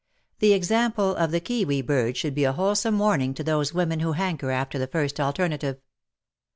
The example of the kiwi bird should be a whole some warning to those women who hanker after the first alternative.